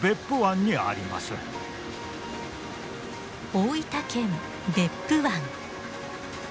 大分県別府湾。